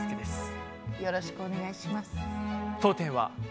よろしくお願いします。